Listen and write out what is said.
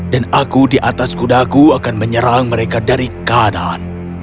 dan aku di atas kudaku akan menyerang mereka dari kanan